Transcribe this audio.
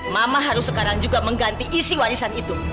mama harus sekarang juga mengganti isi warisan itu